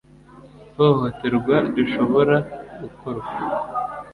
Ihohoterwa rishobora gukorwa.